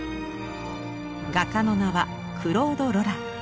画家の名はクロード・ロラン。